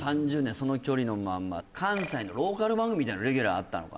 その距離のまんま関西のローカル番組みたいなレギュラーあったのか